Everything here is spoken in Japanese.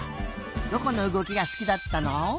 どこのうごきがすきだったの？